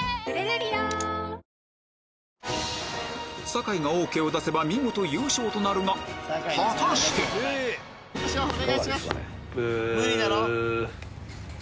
酒井がＯＫを出せば見事優勝となるが果たして⁉お！